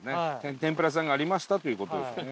天ぷら屋さんがありましたという事ですね。